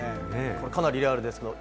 かなりリアルですけれど。